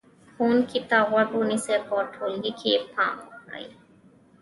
ښوونکي ته غوږ ونیسئ، په ټولګي کې پام وکړئ،